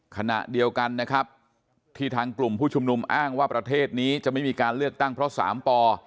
ขณะเดียวกันนะครับที่ทางกลุ่มผู้ชุมนุมอ้างว่าประเทศนี้จะไม่มีการเลือกตั้งเพราะ๓ป